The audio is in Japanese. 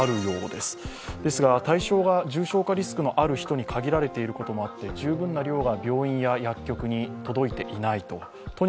ですが、対象が重症化リスクのある人に限られていることもあって十分な量が病院や薬局に届いていないと。